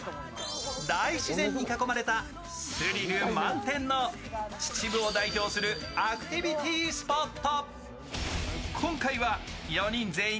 大自然に囲まれたスリル満点の秩秩父を代表するアクティビティースポット。